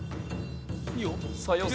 いいよ。